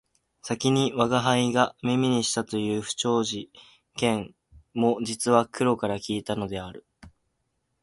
先に吾輩が耳にしたという不徳事件も実は黒から聞いたのである